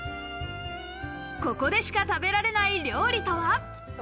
ここでしか食べられない料理とは？